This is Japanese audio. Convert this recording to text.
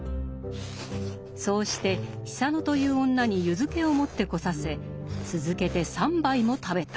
そうして久野という女に湯漬けを持ってこさせ続けて３杯も食べた。